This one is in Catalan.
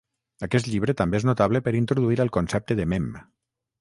Aquest llibre també és notable per introduir el concepte de mem.